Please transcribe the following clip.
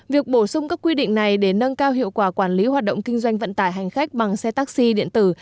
việc bổ sung các quy định này để nâng cao hiệu quả quản lý hoạt động kinh doanh vận tải hành khách bằng xe taxi điện tử